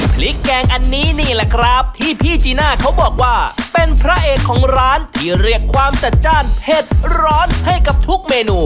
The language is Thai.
พริกแกงอันนี้นี่แหละครับที่พี่จีน่าเขาบอกว่าเป็นพระเอกของร้านที่เรียกความจัดจ้านเผ็ดร้อนให้กับทุกเมนู